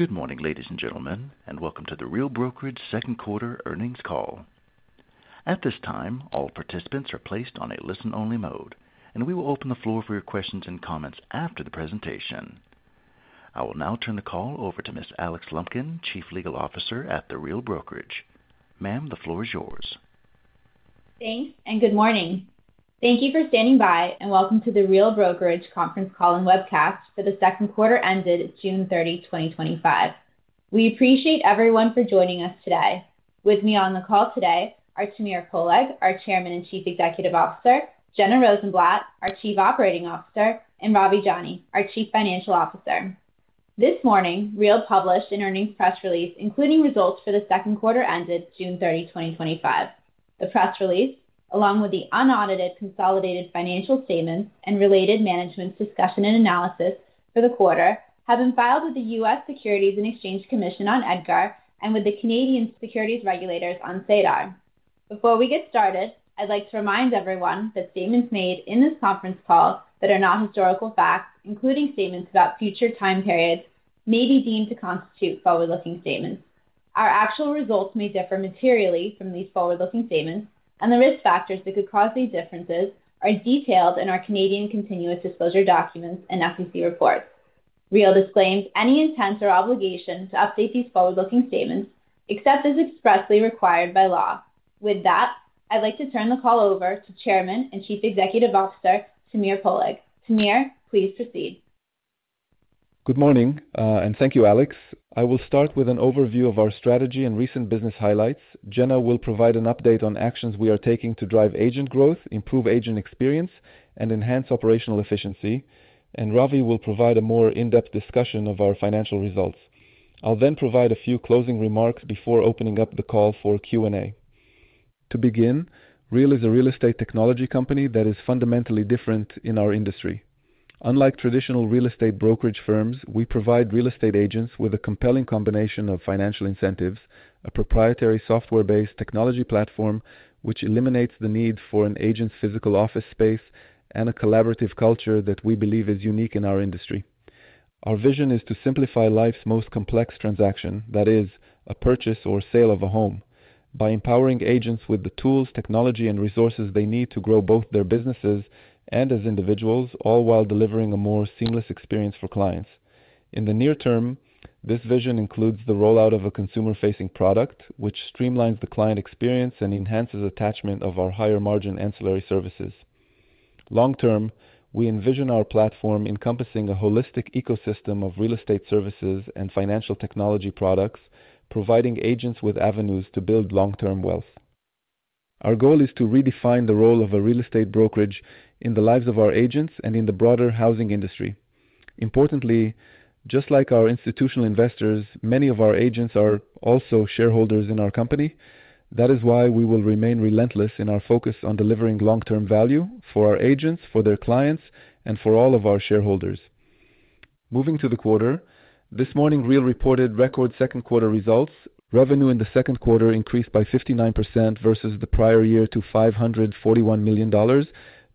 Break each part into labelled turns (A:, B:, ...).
A: Good morning, ladies and gentlemen, and welcome to The Real Brokerage Second Quarter Earnings Call. At this time, all participants are placed on a listen-only mode, and we will open the floor for your questions and comments after the presentation. I will now turn the call over to Ms. Alix Lumpkin, Chief Legal Officer at The Real Brokerage. Ma'am, the floor is yours.
B: Thanks, and good morning. Thank you for standing by, and welcome to The Real Brokerage. conference call and webcast for the second quarter ended June 30, 2025. We appreciate everyone for joining us today. With me on the call today are Tamir Poleg, our Chairman and Chief Executive Officer, Jenna Rozenblat, our Chief Operating Officer, and Ravi Jani, our Chief Financial Officer. This morning, Real published an earnings press release, including results for the second quarter ended June 30, 2025. The press release, along with the unaudited consolidated financial statements and related management's discussion and analysis for the quarter, have been filed with the U.S. Securities and Exchange Commission on EDGAR and with the Canadian securities regulators on SEDAR. Before we get started, I'd like to remind everyone that statements made in this conference call that are not historical facts, including statements about future time periods, may be deemed to constitute forward-looking statements. Our actual results may differ materially from these forward-looking statements, and the risk factors that could cause these differences are detailed in our Canadian Continuous Disclosure Documents and FEC reports. The Real Brokerage Inc. disclaims any intent or obligation to update these forward-looking statements except as expressly required by law. With that, I'd like to turn the call over to Chairman and Chief Executive Officer Tamir Poleg. Tamir, please proceed.
C: Good morning, and thank you, Alix. I will start with an overview of our strategy and recent business highlights. Jenna will provide an update on actions we are taking to drive agent growth, improve agent experience, and enhance operational efficiency, and Ravi will provide a more in-depth discussion of our financial results. I'll then provide a few closing remarks before opening up the call for Q&A. To begin, Real. is a real estate technology company that is fundamentally different in our industry. Unlike traditional real estate brokerage firms, we provide real estate agents with a compelling combination of financial incentives, a proprietary software-based technology platform, which eliminates the need for an agent's physical office space, and a collaborative culture that we believe is unique in our industry. Our vision is to simplify life's most complex transaction, that is, a purchase or sale of a home, by empowering agents with the tools, technology, and resources they need to grow both their businesses and as individuals, all while delivering a more seamless experience for clients. In the near term, this vision includes the rollout of a consumer-facing product, which streamlines the client experience and enhances attachment of our higher margin ancillary services. Long term, we envision our platform encompassing a holistic ecosystem of real estate services and financial technology products, providing agents with avenues to build long-term wealth. Our goal is to redefine the role of a real estate brokerage in the lives of our agents and in the broader housing industry. Importantly, just like our institutional investors, many of our agents are also shareholders in our company. That is why we will remain relentless in our focus on delivering long-term value for our agents, for their clients, and for all of our shareholders. Moving to the quarter, this morning, Real. reported record second-quarter results. Revenue in the second quarter increased by 59% versus the prior year to $541 million,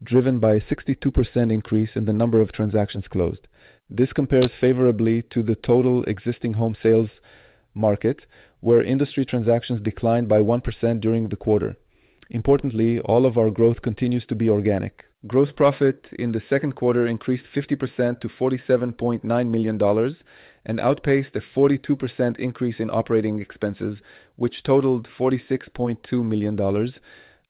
C: driven by a 62% increase in the number of transactions closed. This compares favorably to the total existing home sales market, where industry transactions declined by 1% during the quarter. Importantly, all of our growth continues to be organic. Gross profit in the second quarter increased 50% to $47.9 million and outpaced a 42% increase in operating expenses, which totaled $46.2 million.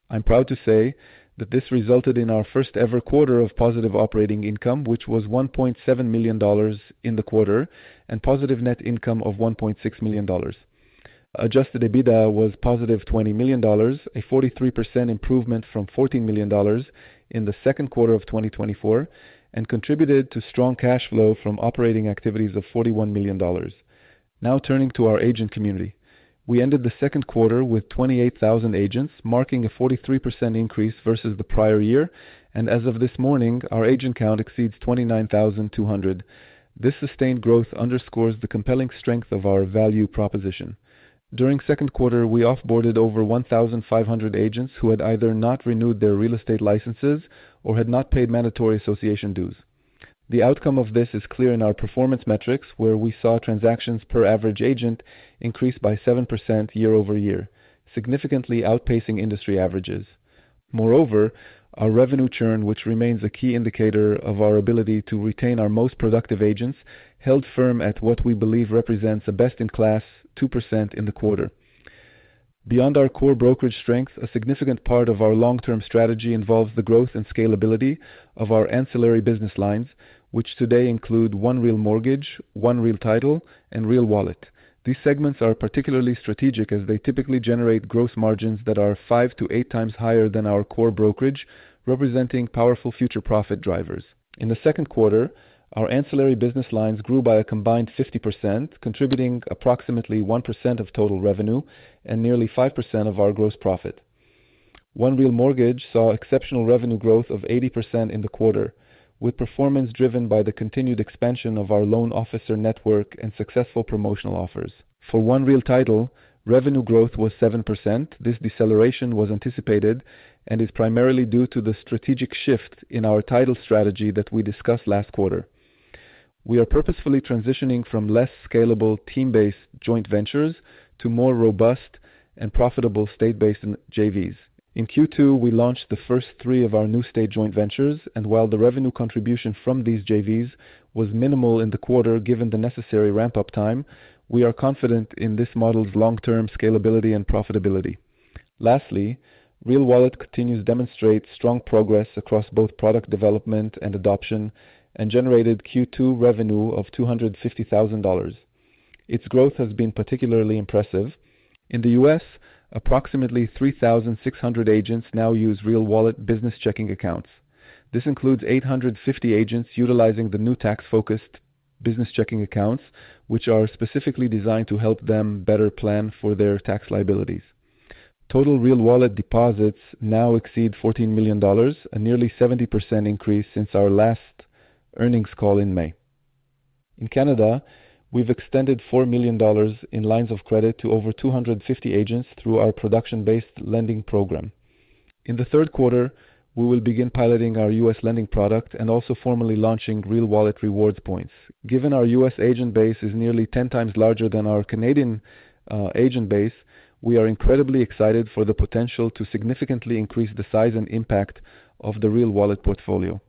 C: I'm proud to say that this resulted in our first-ever quarter of positive operating income, which was $1.7 million in the quarter, and positive net income of $1.6 million. Adjusted EBITDA was positive $20 million, a 43% improvement from $14 million in the second quarter of 2024, and contributed to strong cash flow from operating activities of $41 million. Now turning to our agent community, we ended the second quarter with 28,000 agents, marking a 43% increase versus the prior year, and as of this morning, our agent count exceeds 29,200. This sustained growth underscores the compelling strength of our value proposition. During the second quarter, we offboarded over 1,500 agents who had either not renewed their real estate licenses or had not paid mandatory association dues. The outcome of this is clear in our performance metrics, where we saw transactions per average agent increase by 7% year-over-year, significantly outpacing industry averages. Moreover, our revenue churn, which remains a key indicator of our ability to retain our most productive agents, held firm at what we believe represents a best-in-class 2% in the quarter. Beyond our core brokerage strengths, a significant part of our long-term strategy involves the growth and scalability of our ancillary business lines, which today include One Real Mortgage, One Real Title, and Real Wallet. These segments are particularly strategic as they typically generate gross margins that are five to eight times higher than our core brokerage, representing powerful future profit drivers. In the second quarter, our ancillary business lines grew by a combined 50%, contributing approximately 1% of total revenue and nearly 5% of our gross profit. One Real Mortgage saw exceptional revenue growth of 80% in the quarter, with performance driven by the continued expansion of our loan officer network and successful promotional offers. For One Real Title, revenue growth was 7%. This deceleration was anticipated and is primarily due to the strategic shift in our title strategy that we discussed last quarter. We are purposefully transitioning from less scalable team-based joint ventures to more robust and profitable state-based JVs. In Q2, we launched the first three of our new state joint ventures, and while the revenue contribution from these JVs was minimal in the quarter given the necessary ramp-up time, we are confident in this model's long-term scalability and profitability. Lastly, Real Wallet continues to demonstrate strong progress across both product development and adoption and generated Q2 revenue of $250,000. Its growth has been particularly impressive. In the U.S., approximately 3,600 agents now use Real Wallet business checking accounts. This includes 850 agents utilizing the new tax-focused business checking accounts, which are specifically designed to help them better plan for their tax liabilities. Total Real Wallet deposits now exceed $14 million, a nearly 70% increase since our last earnings call in May. In Canada, we've extended $4 million in lines of credit to over 250 agents through our production-based lending program. In the third quarter, we will begin piloting our U.S. lending product and also formally launching Real Wallet rewards points. Given our U.S. agent base is nearly 10 times larger than our Canadian agent base, we are incredibly excited for the potential to significantly increase the size and impact of the Real Wallet portfolio.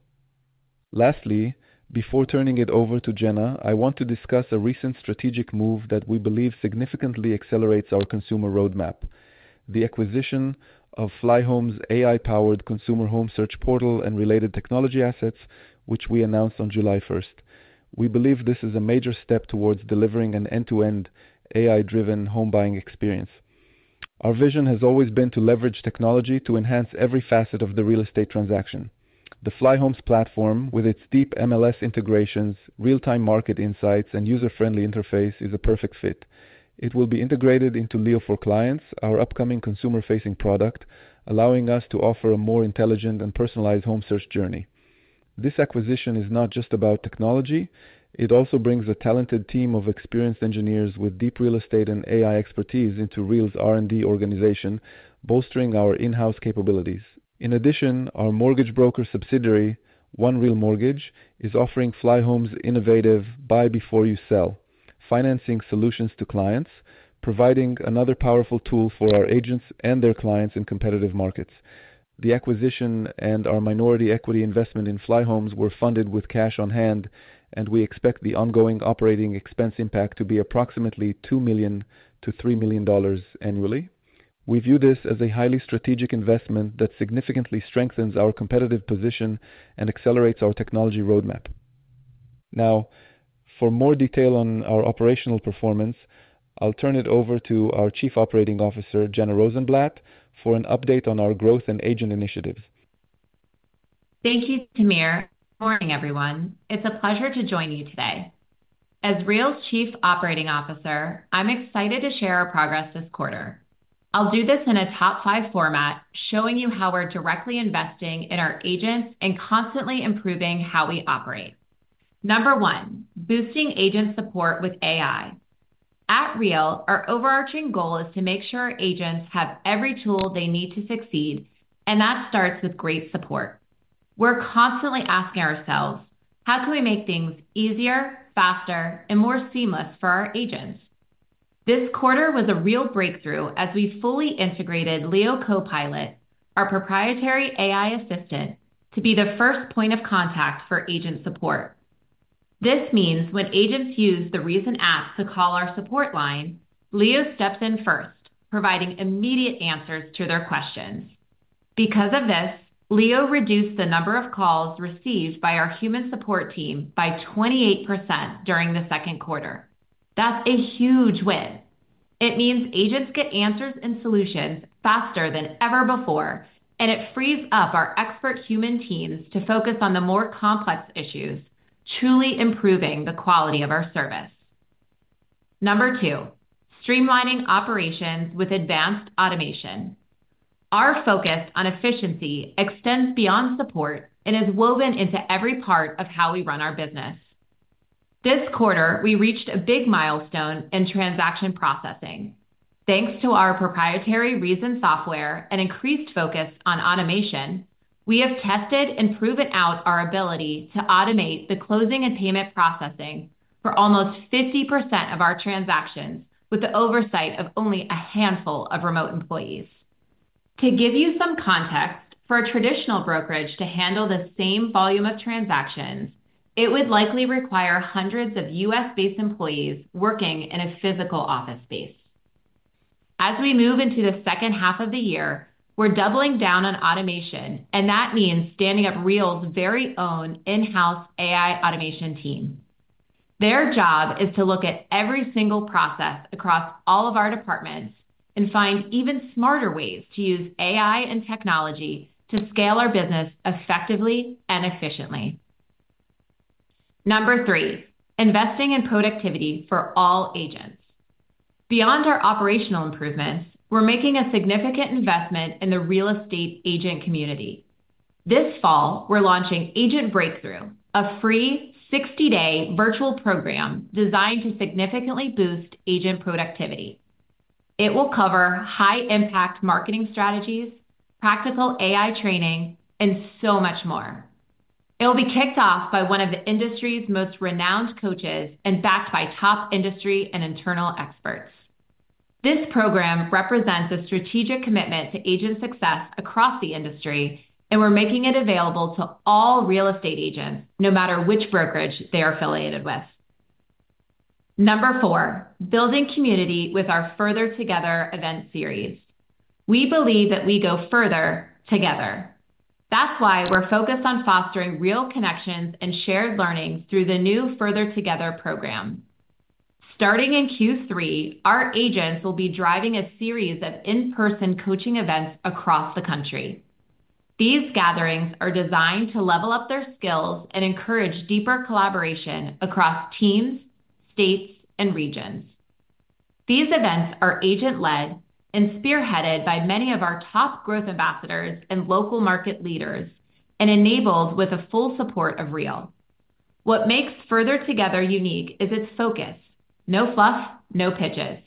C: Lastly, before turning it over to Jenna, I want to discuss a recent strategic move that we believe significantly accelerates our consumer roadmap: the acquisition of Flyhomes' AI-powered consumer home search portal and related technology assets, which we announced on July 1. We believe this is a major step towards delivering an end-to-end AI-driven home buying experience. Our vision has always been to leverage technology to enhance every facet of the real estate transaction. The Flyhomes platform, with its deep MLS integrations, real-time market insights, and user-friendly interface, is a perfect fit. It will be integrated into Leo for Clients, our upcoming consumer-facing product, allowing us to offer a more intelligent and personalized home search journey. This acquisition is not just about technology; it also brings a talented team of experienced engineers with deep real estate and AI expertise into Real's R&D organization, bolstering our in-house capabilities. In addition, our mortgage broker subsidiary, One Real Mortgage, is offering Flyhomes' innovative "Buy Before You Sell" financing solutions to clients, providing another powerful tool for our agents and their clients in competitive markets. The acquisition and our minority equity investment in Flyhomes were funded with cash on hand, and we expect the ongoing operating expense impact to be approximately $2 million to $3 million annually. We view this as a highly strategic investment that significantly strengthens our competitive position and accelerates our technology roadmap. Now, for more detail on our operational performance, I'll turn it over to our Chief Operating Officer, Jenna Rozenblat, for an update on our growth and agent initiatives.
D: Thank you, Tamir. Good morning, everyone. It's a pleasure to join you today. As Real's Chief Operating Officer, I'm excited to share our progress this quarter. I'll do this in a top-five format, showing you how we're directly investing in our agents and constantly improving how we operate. Number one: boosting agent support with AI. At The Real Brokerage Inc., our overarching goal is to make sure our agents have every tool they need to succeed, and that starts with great support. We're constantly asking ourselves, how can we make things easier, faster, and more seamless for our agents? This quarter was a real breakthrough as we fully integrated Leo CoPilot, our proprietary AI assistant, to be the first point of contact for agent support. This means when agents use the recent apps to call our support line, Leo steps in first, providing immediate answers to their questions. Because of this, Leo reduced the number of calls received by our human support team by 28% during the second quarter. That's a huge win. It means agents get answers and solutions faster than ever before, and it frees up our expert human teams to focus on the more complex issues, truly improving the quality of our service. Number two: streamlining operations with advanced automation. Our focus on efficiency extends beyond support and is woven into every part of how we run our business. This quarter, we reached a big milestone in transaction processing. Thanks to our proprietary reason software and increased focus on automation, we have tested and proven out our ability to automate the closing and payment processing for almost 50% of our transactions with the oversight of only a handful of remote employees. To give you some context, for a traditional brokerage to handle the same volume of transactions, it would likely require hundreds of U.S.-based employees working in a physical office space. As we move into the second half of the year, we're doubling down on automation, and that means standing up Real's very own in-house AI automation team. Their job is to look at every single process across all of our departments and find even smarter ways to use AI and technology to scale our business effectively and efficiently. Number three: investing in productivity for all agents. Beyond our operational improvements, we're making a significant investment in the real estate agent community. This fall, we're launching Agent Breakthrough, a free 60-day virtual program designed to significantly boost agent productivity. It will cover high-impact marketing strategies, practical AI training, and so much more. It'll be kicked off by one of the industry's most renowned coaches and backed by top industry and internal experts. This program represents a strategic commitment to agent success across the industry, and we're making it available to all real estate agents, no matter which brokerage they're affiliated with. Number four: building community with our Further Together event series. We believe that we go further together. That's why we're focused on fostering real connections and shared learnings through the new Further Together program. Starting in Q3, our agents will be driving a series of in-person coaching events across the country. These gatherings are designed to level up their skills and encourage deeper collaboration across teams, states, and regions. These events are agent-led and spearheaded by many of our top growth ambassadors and local market leaders, enabled with the full support of Real. What makes Further Together unique is its focus: no fluff, no pitches.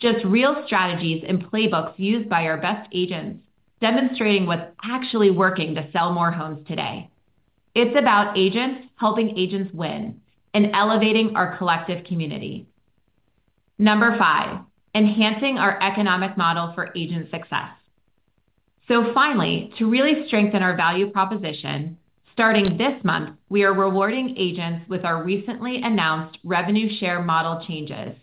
D: Just real strategies and playbooks used by our best agents, demonstrating what's actually working to sell more homes today. It's about agents helping agents win, and elevating our collective community. Number five: enhancing our economic model for agent success. To really strengthen our value proposition, starting this month, we are rewarding agents with our recently announced revenue share model changes,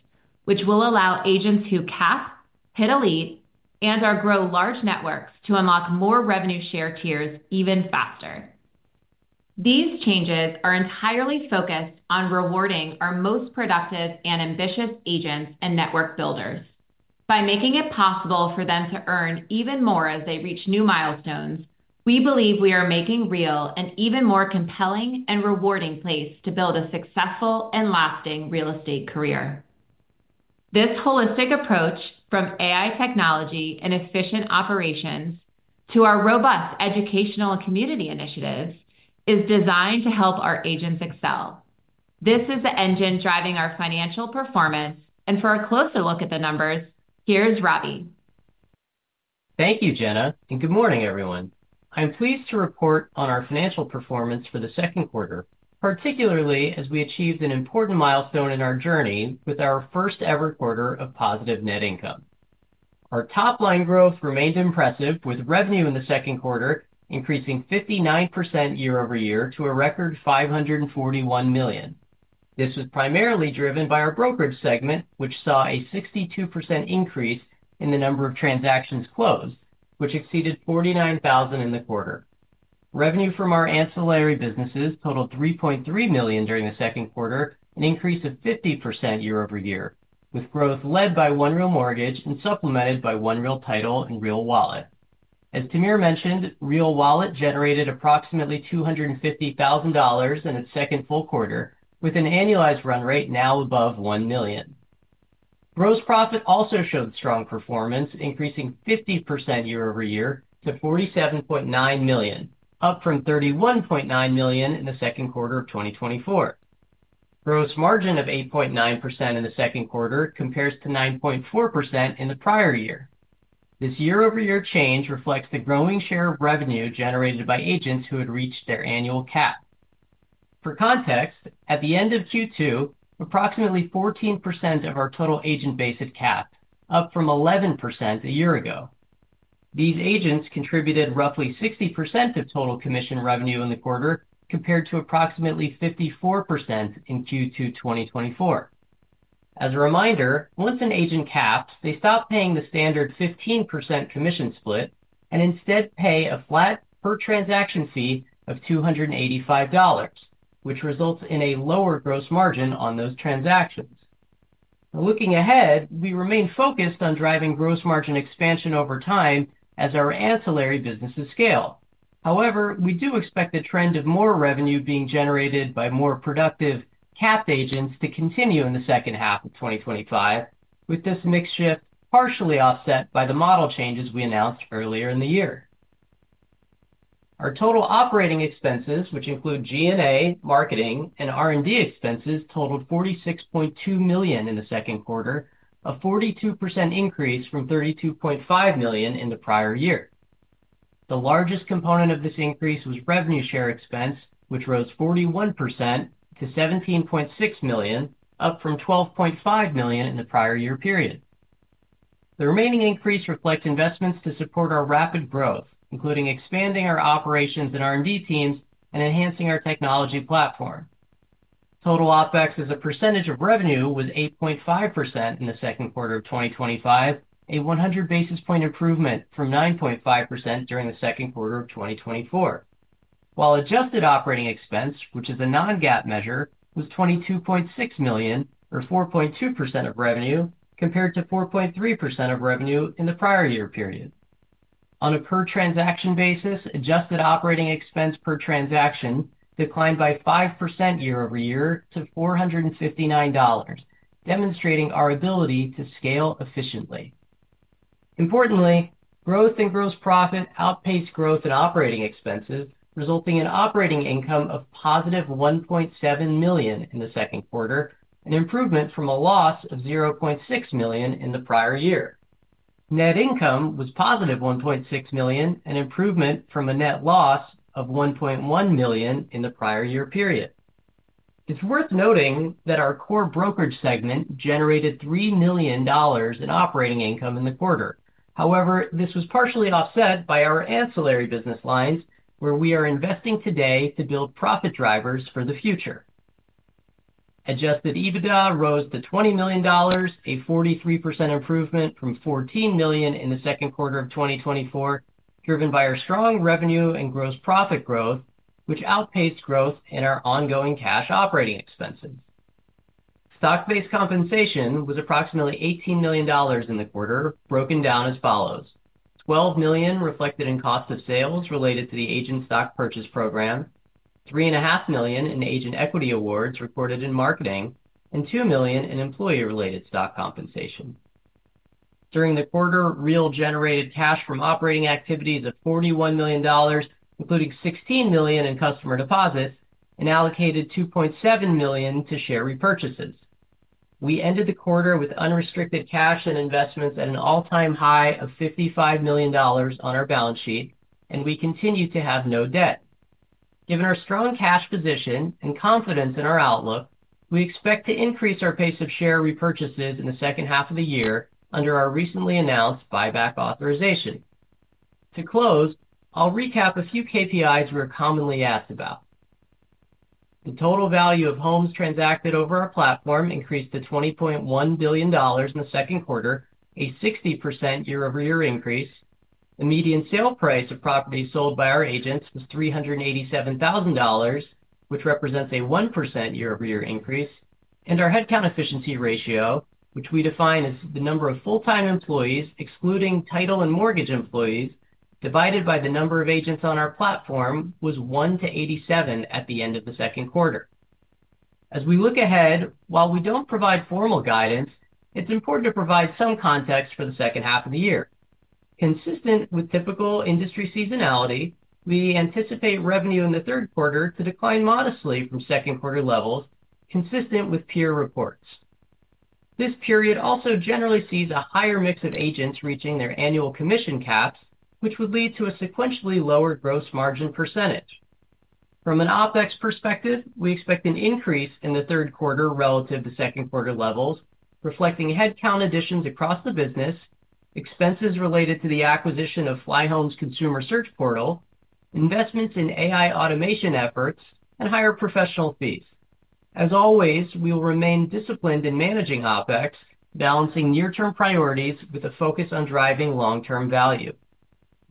D: which will allow agents who cap, hit elite, and/or grow large networks to unlock more revenue share tiers even faster. These changes are entirely focused on rewarding our most productive and ambitious agents and network builders. By making it possible for them to earn even more as they reach new milestones, we believe we are making Real an even more compelling and rewarding place to build a successful and lasting real estate career. This holistic approach, from AI technology and efficient operations to our robust educational and community initiatives, is designed to help our agents excel. This is the engine driving our financial performance, and for a closer look at the numbers, here's Ravi.
E: Thank you, Jenna, and good morning, everyone. I'm pleased to report on our financial performance for the second quarter, particularly as we achieved an important milestone in our journey with our first-ever quarter of positive net income. Our top-line growth remained impressive, with revenue in the second quarter increasing 59% year over year to a record $541 million. This was primarily driven by our brokerage segment, which saw a 62% increase in the number of transactions closed, which exceeded 49,000 in the quarter. Revenue from our ancillary businesses totaled $3.3 million during the second quarter, an increase of 50% year-over-year, with growth led by One Real Mortgage and supplemented by One Real Title and Real Wallet. As Tamir mentioned, Real Wallet generated approximately $250,000 in its second full quarter, with an annualized run rate now above $1 million. Gross profit also showed strong performance, increasing 50% year over year to $47.9 million, up from $31.9 million in the second quarter of 2024. Gross margin of 8.9% in the second quarter compares to 9.4% in the prior year. This year-over-year change reflects the growing share of revenue generated by agents who had reached their annual cap. For context, at the end of Q2, approximately 14% of our total agent base had capped, up from 11% a year ago. These agents contributed roughly 60% of total commission revenue in the quarter, compared to approximately 54% in Q2 2024. As a reminder, once an agent caps, they stop paying the standard 15% commission split and instead pay a flat per transaction fee of $285, which results in a lower gross margin on those transactions. Looking ahead, we remain focused on driving gross margin expansion over time as our ancillary businesses scale. However, we do expect the trend of more revenue being generated by more productive capped agents to continue in the second half of 2025, with this mix shift partially offset by the model changes we announced earlier in the year. Our total operating expenses, which include G&A, marketing, and R&D expenses, totaled $46.2 million in the second quarter, a 42% increase from $32.5 million in the prior year. The largest component of this increase was revenue share expense, which rose 41% to $17.6 million, up from $12.5 million in the prior year period. The remaining increase reflects investments to support our rapid growth, including expanding our operations and R&D teams and enhancing our technology platform. Total OpEx is a percentage of revenue, with 8.5% in the second quarter of 2025, a 100 basis point improvement from 9.5% during the second quarter of 2024. While adjusted operating expense, which is a non-GAAP measure, was $22.6 million, or 4.2% of revenue, compared to 4.3% of revenue in the prior year period. On a per transaction basis, adjusted operating expense per transaction declined by 5% year-over-year to $459, demonstrating our ability to scale efficiently. Importantly, growth in gross profit outpaced growth in operating expenses, resulting in operating income of positive $1.7 million in the second quarter, an improvement from a loss of $0.6 million in the prior year. Net income was positive $1.6 million, an improvement from a net loss of $1.1 million in the prior year period. It's worth noting that our core brokerage segment generated $3 million in operating income in the quarter. However, this was partially offset by our ancillary business lines, where we are investing today to build profit drivers for the future. Adjusted EBITDA rose to $20 million, a 43% improvement from $14 million in the second quarter of 2024, driven by our strong revenue and gross profit growth, which outpaced growth in our ongoing cash operating expenses. Stock-based compensation was approximately $18 million in the quarter, broken down as follows: $12 million reflected in cost of sales related to the agent stock purchase program, $3.5 million in agent equity awards reported in marketing, and $2 million in employee-related stock compensation. During the quarter, The Real Brokerage Inc. generated cash from operating activities of $41 million, including $16 million in customer deposits, and allocated $2.7 million to share repurchases. We ended the quarter with unrestricted cash and investments at an all-time high of $55 million on our balance sheet, and we continue to have no debt. Given our strong cash position and confidence in our outlook, we expect to increase our pace of share repurchases in the second half of the year under our recently announced buyback authorization. To close, I'll recap a few KPIs we're commonly asked about. The total value of homes transacted over our platform increased to $20.1 billion in the second quarter, a 60% year-over-year increase. The median sale price of properties sold by our agents was $387,000, which represents a 1% year-over-year increase, and our headcount efficiency ratio, which we define as the number of full-time employees, excluding title and mortgage employees, divided by the number of agents on our platform, was 1 to 87 at the end of the second quarter. As we look ahead, while we don't provide formal guidance, it's important to provide some context for the second half of the year. Consistent with typical industry seasonality, we anticipate revenue in the third quarter to decline modestly from second-quarter levels, consistent with peer reports. This period also generally sees a higher mix of agents reaching their annual commission caps, which would lead to a sequentially lower gross margin percentage. From an OpEx perspective, we expect an increase in the third quarter relative to second-quarter levels, reflecting headcount additions across the business, expenses related to the acquisition of Flyhomes' consumer search portal, investments in AI automation efforts, and higher professional fees. As always, we will remain disciplined in managing OpEx, balancing near-term priorities with a focus on driving long-term value.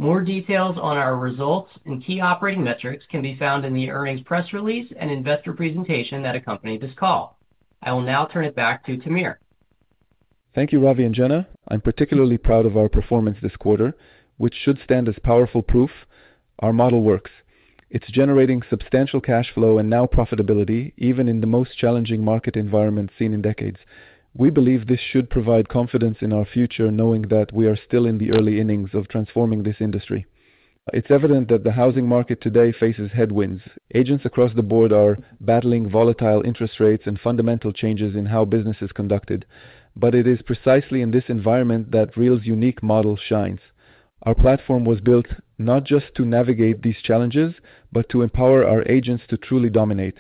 E: More details on our results and key operating metrics can be found in the earnings press release and investor presentation that accompanied this call. I will now turn it back to Tamir.
C: Thank you, Ravi and Jenna. I'm particularly proud of our performance this quarter, which should stand as powerful proof our model works. It's generating substantial cash flow and now profitability, even in the most challenging market environment seen in decades. We believe this should provide confidence in our future, knowing that we are still in the early innings of transforming this industry. It's evident that the housing market today faces headwinds. Agents across the board are battling volatile interest rates and fundamental changes in how business is conducted. It is precisely in this environment that Real's unique model shines. Our platform was built not just to navigate these challenges, but to empower our agents to truly dominate.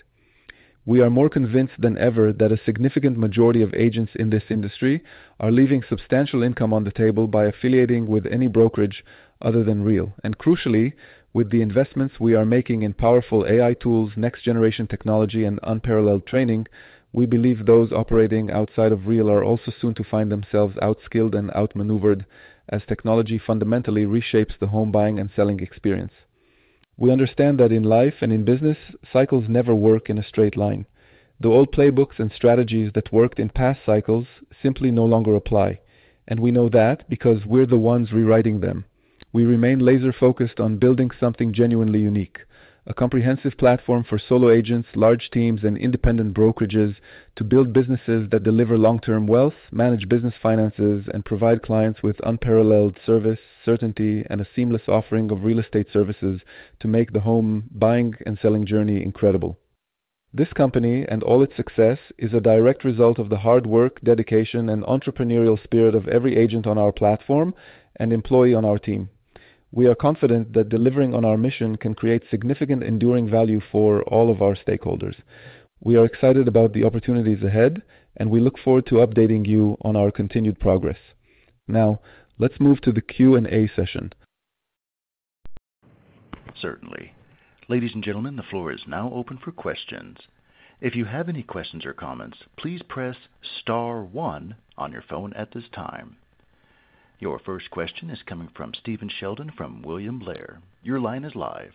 C: We are more convinced than ever that a significant majority of agents in this industry are leaving substantial income on the table by affiliating with any brokerage other than Real. Crucially, with the investments we are making in powerful AI tools, next-generation technology, and unparalleled training, we believe those operating outside of Real. are also soon to find themselves outskilled and outmaneuvered, as technology fundamentally reshapes the home buying and selling experience. We understand that in life and in business, cycles never work in a straight line. The old playbooks and strategies that worked in past cycles simply no longer apply. We know that because we're the ones rewriting them. We remain laser-focused on building something genuinely unique: a comprehensive platform for solo agents, large teams, and independent brokerages to build businesses that deliver long-term wealth, manage business finances, and provide clients with unparalleled service, certainty, and a seamless offering of real estate services to make the home buying and selling journey incredible. This company, and all its success, is a direct result of the hard work, dedication, and entrepreneurial spirit of every agent on our platform and employee on our team. We are confident that delivering on our mission can create significant enduring value for all of our stakeholders. We are excited about the opportunities ahead, and we look forward to updating you on our continued progress. Now, let's move to the Q&A session.
A: Certainly. Ladies and gentlemen, the floor is now open for questions. If you have any questions or comments, please press star one on your phone at this time. Your first question is coming from Stephen Sheldon from William Blair. Your line is live.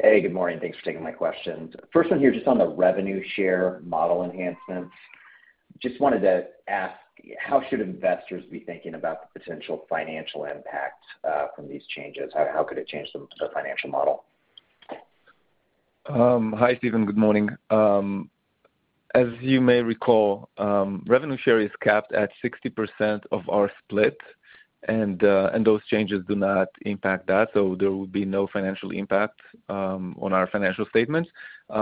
F: Hey, good morning. Thanks for taking my question. First one here, just on the revenue share model enhancements. Just wanted to ask, how should investors be thinking about the potential financial impact from these changes? How could it change the financial model?
C: Hi, Stephen. Good morning. As you may recall, revenue share is capped at 60% of our split, and those changes do not impact that, so there will be no financial impact on our financial statements.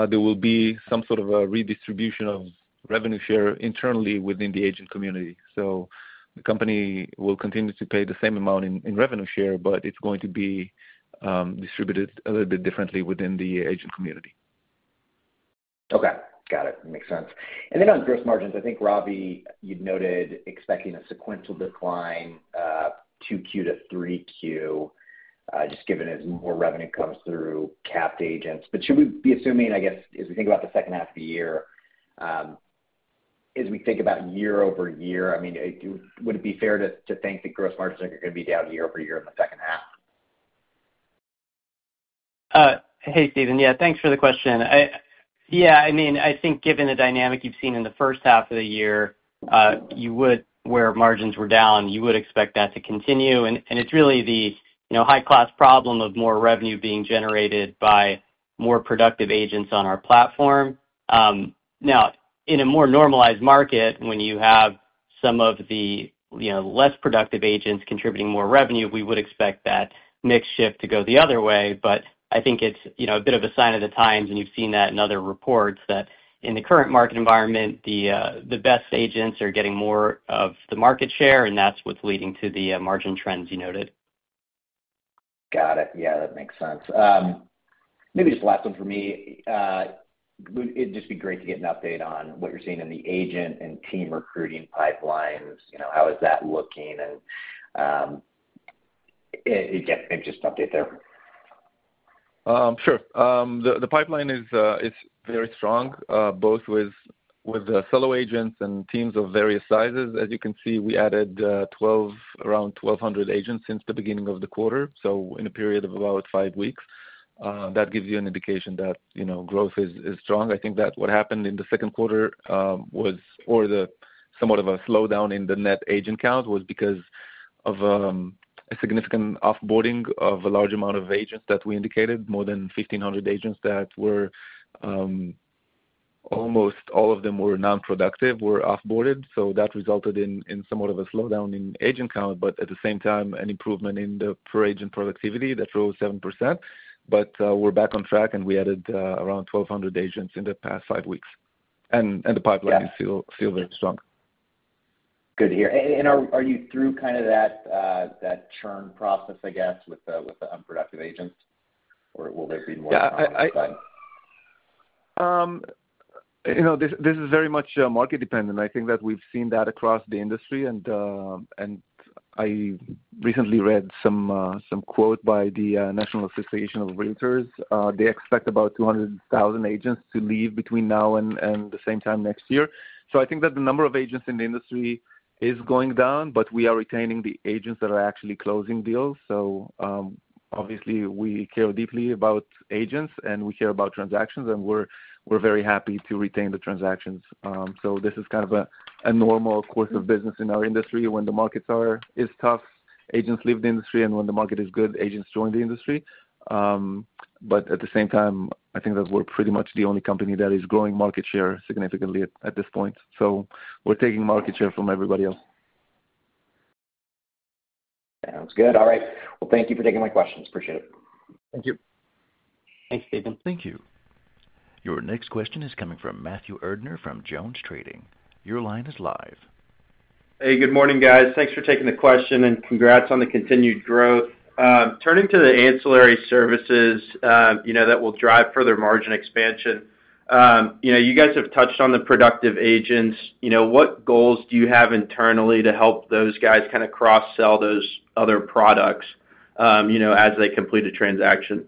C: There will be some sort of a redistribution of revenue share internally within the agent community. The company will continue to pay the same amount in revenue share, but it's going to be distributed a little bit differently within the agent community.
F: Okay, got it. Makes sense. On gross margins, I think, Ravi, you noted expecting a sequential decline 2Q to 3Q, just given as more revenue comes through capped agents. Should we be assuming, as we think about the second half of the year, as we think about year over year, would it be fair to think that gross margins are going to be down year over year in the second half?
E: Hey, Stephen. Yeah, thanks for the question. I mean, I think given the dynamic you've seen in the first half of the year, where margins were down, you would expect that to continue. It's really the high-class problem of more revenue being generated by more productive agents on our platform. Now, in a more normalized market, when you have some of the less productive agents contributing more revenue, we would expect that mix shift to go the other way. I think it's a bit of a sign of the times, and you've seen that in other reports, that in the current market environment, the best agents are getting more of the market share, and that's what's leading to the margin trends you noted.
F: Got it. Yeah, that makes sense. Maybe just the last one for me. It'd just be great to get an update on what you're seeing in the agent and team recruiting pipelines. How is that looking? Maybe just an update there.
C: Sure. The pipeline is very strong, both with the solo agents and teams of various sizes. As you can see, we added around 1,200 agents since the beginning of the quarter, so in a period of about five weeks. That gives you an indication that growth is strong. I think that what happened in the second quarter was, or somewhat of a slowdown in the net agent count, was because of a significant offboarding of a large amount of agents that we indicated, more than 1,500 agents that were almost all of them were non-productive, were offboarded. That resulted in somewhat of a slowdown in agent count, at the same time, an improvement in the per agent productivity that rose 7%. We're back on track, and we added around 1,200 agents in the past five weeks. The pipeline is still very strong.
F: Good to hear. Are you through that churn process, I guess, with the unproductive agents? Will there be more churn?
C: Yeah, this is very much market dependent. I think that we've seen that across the industry. I recently read some quote by the National Association of Realtors. They expect about 200,000 agents to leave between now and the same time next year. I think that the number of agents in the industry is going down, but we are retaining the agents that are actually closing deals. Obviously, we care deeply about agents, and we care about transactions, and we're very happy to retain the transactions. This is kind of a normal course of business in our industry. When the market is tough, agents leave the industry, and when the market is good, agents join the industry. At the same time, I think that we're pretty much the only company that is growing market share significantly at this point. We're taking market share from everybody else.
F: Sounds good. All right. Thank you for taking my questions. Appreciate it.
C: Thank you.
E: Thanks, Stephen.
A: Thank you. Your next question is coming from Matthew Erdner from JonesTrading. Your line is live.
G: Hey, good morning, guys. Thanks for taking the question, and congrats on the continued growth. Turning to the ancillary services that will drive further margin expansion, you guys have touched on the productive agents. What goals do you have internally to help those guys kind of cross-sell those other products as they complete a transaction?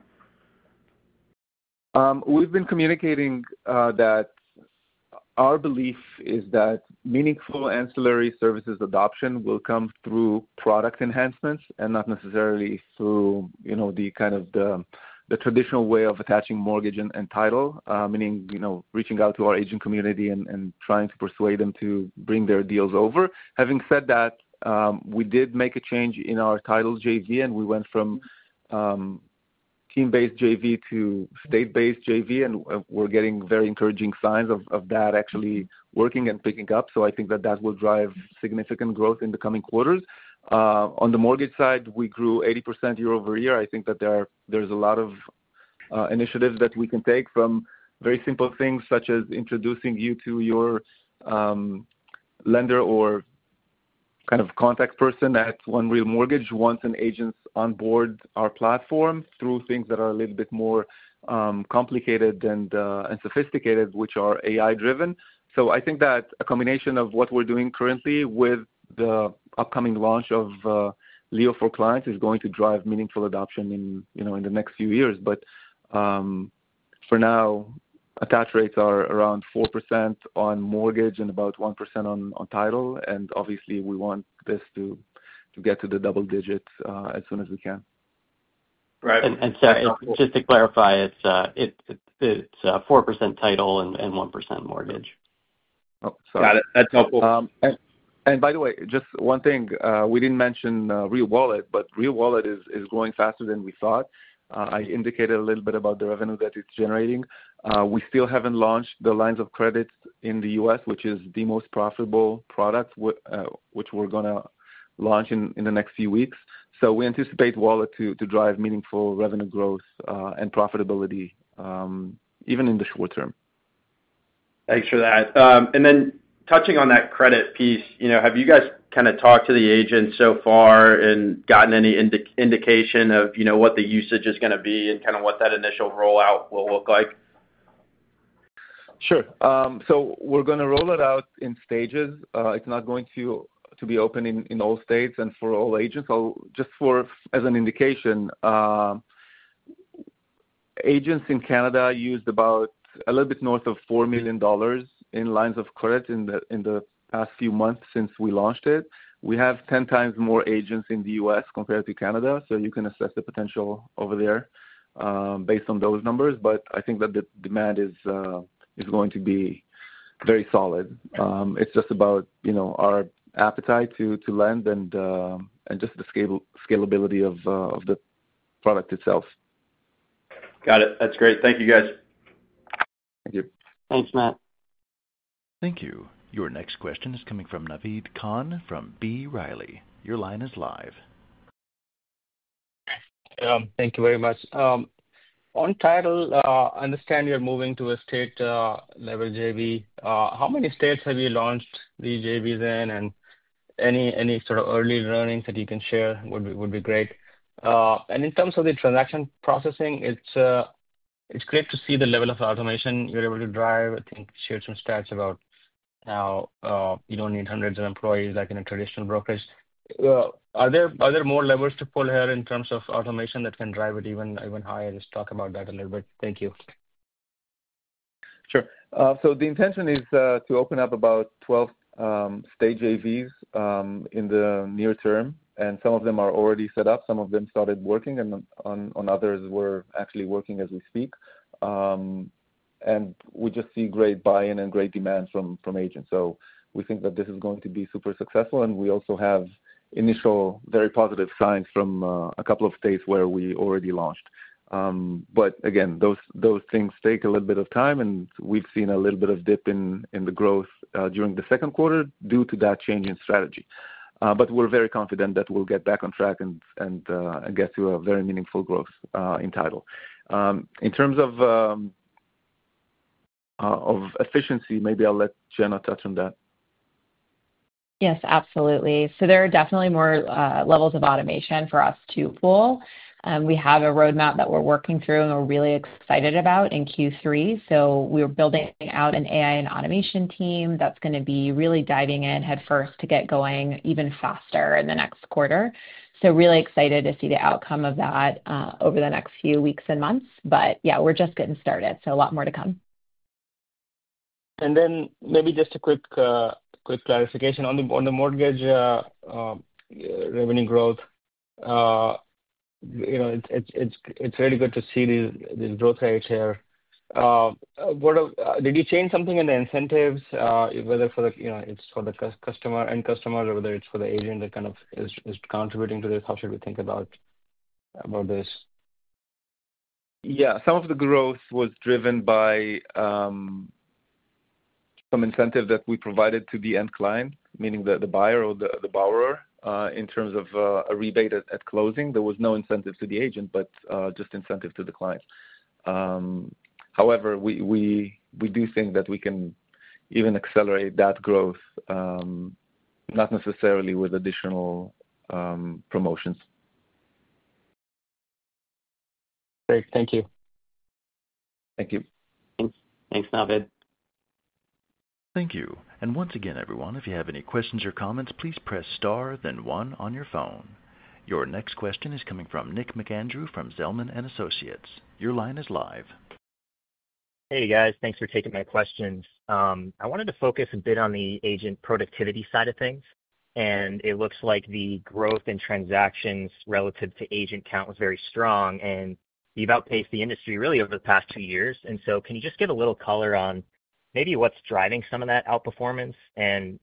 C: We've been communicating that our belief is that meaningful ancillary services adoption will come through product enhancements and not necessarily through the kind of the traditional way of attaching mortgage and title, meaning reaching out to our agent community and trying to persuade them to bring their deals over. Having said that, we did make a change in our title JV, and we went from team-based JV to state-based JV, and we're getting very encouraging signs of that actually working and picking up. I think that that will drive significant growth in the coming quarters. On the mortgage side, we grew 80% year over year. I think that there's a lot of initiatives that we can take from very simple things such as introducing you to your lender or kind of contact person at One Real Mortgage once an agent's onboard our platform through things that are a little bit more complicated and sophisticated, which are AI-driven. I think that a combination of what we're doing currently with the upcoming launch of Leo for Clients is going to drive meaningful adoption in the next few years. For now, attach rates are around 4% on mortgage and about 1% on title. Obviously, we want this to get to the double digits as soon as we can.
E: Right. Sorry, just to clarify, it's 4% title and 1% mortgage.
C: Oh, sorry.
G: Got it. That's helpful.
C: By the way, just one thing, we didn't mention Real Wallet, but Real Wallet is growing faster than we thought. I indicated a little bit about the revenue that it's generating. We still haven't launched the lines of credit in the U.S., which is the most profitable product, which we're going to launch in the next few weeks. We anticipate Wallet to drive meaningful revenue growth and profitability, even in the short term.
G: Thanks for that. Touching on that credit piece, have you guys kind of talked to the agents so far and gotten any indication of what the usage is going to be and what that initial rollout will look like?
C: We're going to roll it out in stages. It's not going to be open in all states and for all agents. Just as an indication, agents in Canada used a little bit north of $4 million in lines of credit in the past few months since we launched it. We have 10 times more agents in the U.S. compared to Canada, so you can assess the potential over there based on those numbers. I think that the demand is going to be very solid. It's just about our appetite to lend and the scalability of the product itself.
G: Got it. That's great. Thank you, guys.
C: Thank you.
E: Thanks, Matt.
A: Thank you. Your next question is coming from Navid Khan from B. Riley. Your line is live.
H: Thank you very much. On title, I understand you're moving to a state-level JV. How many states have you launched the JVs in? Any sort of early learnings that you can share would be great. In terms of the transaction processing, it's great to see the level of automation you're able to drive. I think you shared some stats about how you don't need hundreds of employees like in a traditional brokerage. Are there more levers to pull here in terms of automation that can drive it even higher? Just talk about that a little bit. Thank you.
C: Sure. The intention is to open up about 12 state JVs in the near term, and some of them are already set up. Some of them started working, and on others we're actually working as we speak. We just see great buy-in and great demand from agents. We think that this is going to be super successful, and we also have initial very positive signs from a couple of states where we already launched. Those things take a little bit of time, and we've seen a little bit of a dip in the growth during the second quarter due to that change in strategy. We're very confident that we'll get back on track and get to a very meaningful growth in title. In terms of efficiency, maybe I'll let Jenna touch on that.
D: Yes, absolutely. There are definitely more levels of automation for us to pull. We have a roadmap that we're working through, and we're really excited about in Q3. We're building out an AI and automation team that's going to be really diving in headfirst to get going even faster in the next quarter. We're really excited to see the outcome of that over the next few weeks and months. We're just getting started, so a lot more to come.
H: Maybe just a quick clarification on the mortgage revenue growth. It's really good to see these growth rates here. Did you change something in the incentives, whether it's for the customer and customers, or whether it's for the agent that is contributing to this? How should we think about this?
C: Yeah, some of the growth was driven by some incentive that we provided to the end client, meaning the buyer or the borrower, in terms of a rebate at closing. There was no incentive to the agent, just incentive to the client. However, we do think that we can even accelerate that growth, not necessarily with additional promotions.
H: Great. Thank you.
C: Thank you.
E: Thanks, Navid.
A: Thank you. Once again, everyone, if you have any questions or comments, please press * then 1 on your phone. Your next question is coming from Nick McAndrew from Zelman & Associates. Your line is live.
I: Hey, guys. Thanks for taking my question. I wanted to focus a bit on the agent productivity side of things. It looks like the growth in transactions relative to agent count was very strong, and you've outpaced the industry really over the past two years. Can you just give a little color on maybe what's driving some of that outperformance?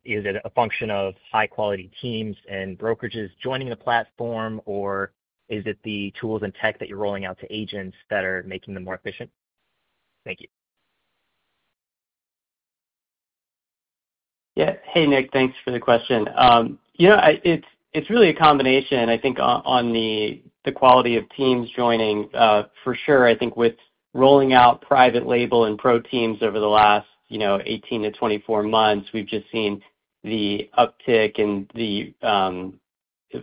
I: Is it a function of high-quality teams and brokerages joining the platform, or is it the tools and tech that you're rolling out to agents that are making them more efficient? Thank you.
E: Yeah. Hey, Nick. Thanks for the question. You know, it's really a combination, I think, on the quality of teams joining. For sure, I think with rolling out private label and pro teams over the last 18 to 24 months, we've just seen the uptick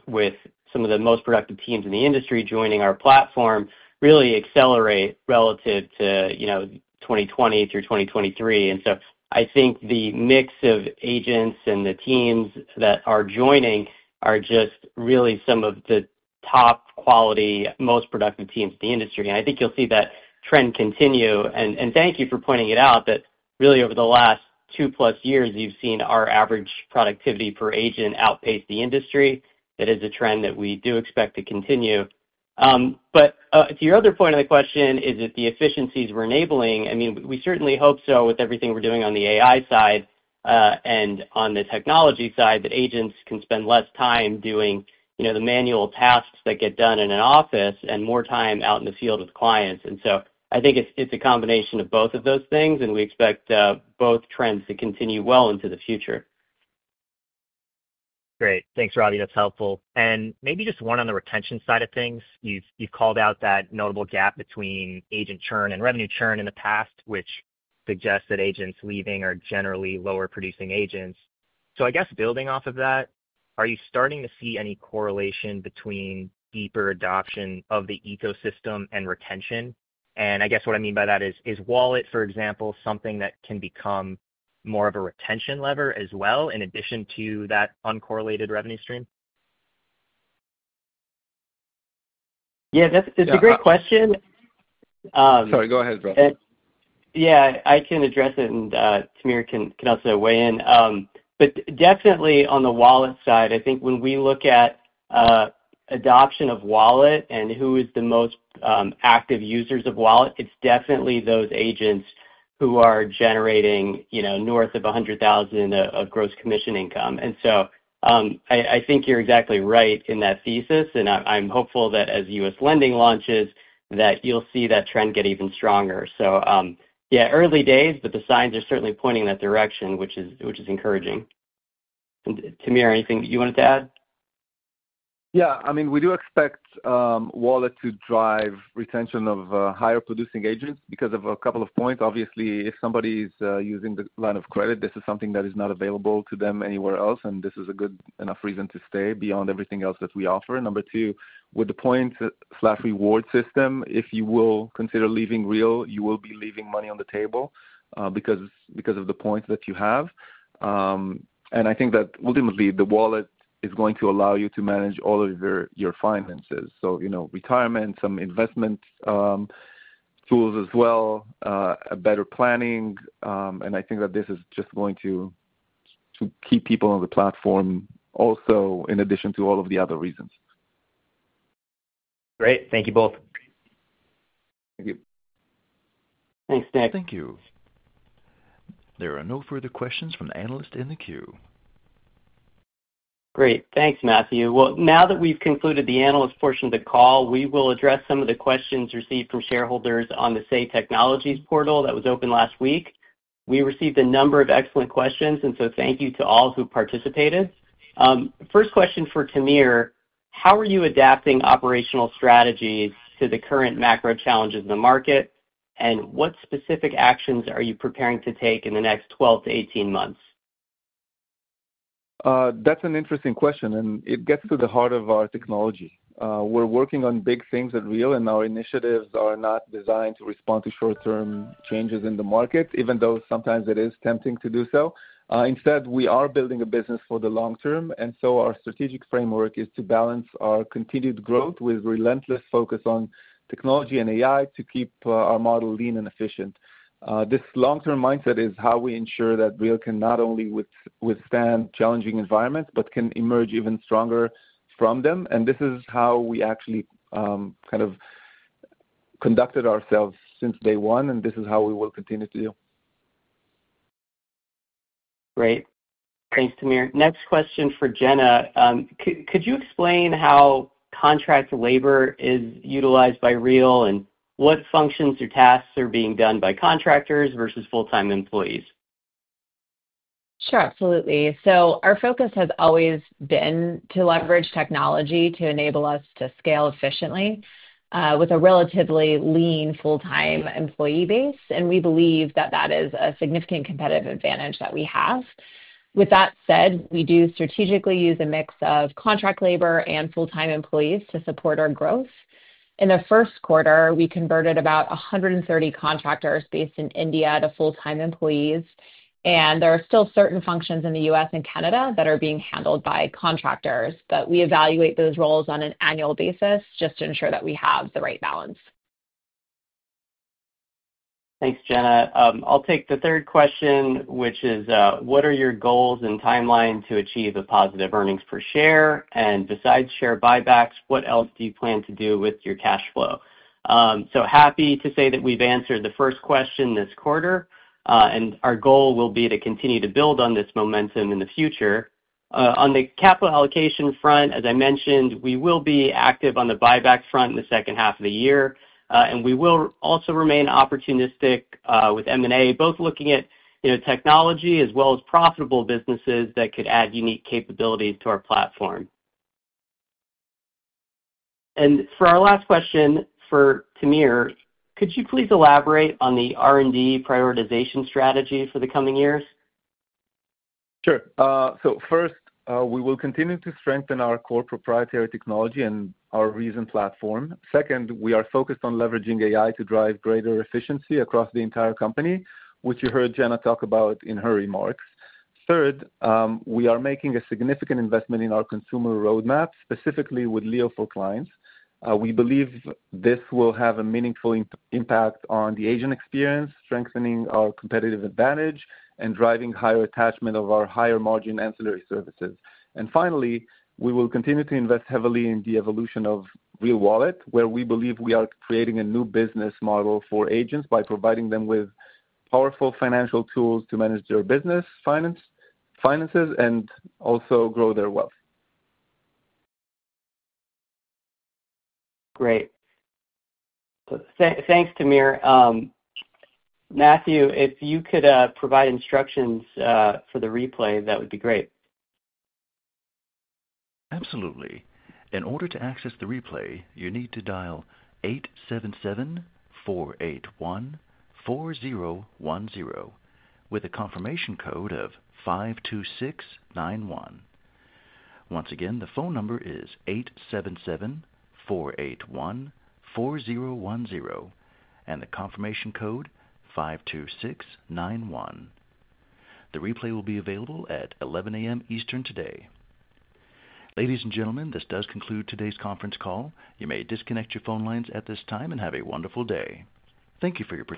E: with some of the most productive teams in the industry joining our platform really accelerate relative to 2020 through 2023. I think the mix of agents and the teams that are joining are just really some of the top quality, most productive teams in the industry. I think you'll see that trend continue. Thank you for pointing it out that really over the last two-plus years, you've seen our average productivity per agent outpace the industry. That is a trend that we do expect to continue. To your other point of the question, is it the efficiencies we're enabling? I mean, we certainly hope so with everything we're doing on the AI side and on the technology side that agents can spend less time doing the manual tasks that get done in an office and more time out in the field with clients. I think it's a combination of both of those things, and we expect both trends to continue well into the future.
I: Great. Thanks, Ravi. That's helpful. Maybe just one on the retention side of things. You've called out that notable gap between agent churn and revenue churn in the past, which suggests that agents leaving are generally lower-producing agents. I guess building off of that, are you starting to see any correlation between deeper adoption of the ecosystem and retention? What I mean by that is, is Real Wallet, for example, something that can become more of a retention lever as well, in addition to that uncorrelated revenue stream?
E: Yeah, that's a great question.
C: Sorry, go ahead, Ravi.
E: Yeah, I can address it, and Tamir can also weigh in. Definitely on the Wallet side, I think when we look at adoption of Wallet and who is the most active users of Wallet, it's definitely those agents who are generating north of $100,000 of gross commission income. I think you're exactly right in that thesis, and I'm hopeful that as U.S. lending launches, you'll see that trend get even stronger. Early days, but the signs are certainly pointing in that direction, which is encouraging. Tamir, anything you wanted to add?
C: Yeah, I mean, we do expect Wallet to drive retention of higher-producing agents because of a couple of points. Obviously, if somebody is using the line of credit, this is something that is not available to them anywhere else, and this is a good enough reason to stay beyond everything else that we offer. Number two, with the point/reward system, if you will consider leaving Real, you will be leaving money on the table because of the points that you have. I think that ultimately the Wallet is going to allow you to manage all of your finances. Retirement, some investment tools as well, better planning, and I think that this is just going to keep people on the platform also in addition to all of the other reasons.
I: Great. Thank you both.
C: Thank you.
E: Thanks, Nick.
A: Thank you. There are no further questions from analysts in the queue.
E: Great. Thanks, Matthew. Now that we've concluded the analyst portion of the call, we will address some of the questions received from shareholders on the Say Technologies portal that was open last week. We received a number of excellent questions, and thank you to all who participated. First question for Tamir: how are you adapting operational strategies to the current macro challenges in the market, and what specific actions are you preparing to take in the next 12 to 18 months?
C: That's an interesting question, and it gets to the heart of our technology. We're working on big things at Real, and our initiatives are not designed to respond to short-term changes in the market, even though sometimes it is tempting to do so. Instead, we are building a business for the long term, and our strategic framework is to balance our continued growth with relentless focus on technology and AI to keep our model lean and efficient. This long-term mindset is how we ensure that Real can not only withstand challenging environments, but can emerge even stronger from them. This is how we actually kind of conducted ourselves since day one, and this is how we will continue to do.
E: Great. Thanks, Tamir. Next question for Jenna. Could you explain how contract labor is utilized by Real, and what functions or tasks are being done by contractors versus full-time employees?
D: Sure, absolutely. Our focus has always been to leverage technology to enable us to scale efficiently with a relatively lean full-time employee base, and we believe that that is a significant competitive advantage that we have. With that said, we do strategically use a mix of contract labor and full-time employees to support our growth. In the first quarter, we converted about 130 contractors based in India to full-time employees, and there are still certain functions in the U.S. and Canada that are being handled by contractors, but we evaluate those roles on an annual basis just to ensure that we have the right balance.
E: Thanks, Jenna. I'll take the third question, which is: what are your goals and timeline to achieve a positive earnings per share? Besides share buybacks, what else do you plan to do with your cash flow? Happy to say that we've answered the first question this quarter, and our goal will be to continue to build on this momentum in the future. On the capital allocation front, as I mentioned, we will be active on the buyback front in the second half of the year, and we will also remain opportunistic with M&A, both looking at technology as well as profitable businesses that could add unique capabilities to our platform. For our last question for Tamir, could you please elaborate on the R&D prioritization strategy for the coming years?
C: Sure. First, we will continue to strengthen our core proprietary technology and our recent platform. Second, we are focused on leveraging AI to drive greater efficiency across the entire company, which you heard Jenna talk about in her remarks. Third, we are making a significant investment in our consumer roadmap, specifically with Leo for Clients. We believe this will have a meaningful impact on the agent experience, strengthening our competitive advantage and driving higher attachment of our higher margin ancillary services. Finally, we will continue to invest heavily in the evolution of Real Wallet, where we believe we are creating a new business model for agents by providing them with powerful financial tools to manage their business, finances, and also grow their wealth.
E: Great. Thanks, Tamir. Matthew, if you could provide instructions for the replay, that would be great.
A: Absolutely. In order to access the replay, you need to dial 877-481-4010 with a confirmation code of 52691. Once again, the phone number is 877-481-4010 and the confirmation code is 52691. The replay will be available at 11:00 A.M. Eastern today. Ladies and gentlemen, this does conclude today's conference call. You may disconnect your phone lines at this time and have a wonderful day. Thank you for your time.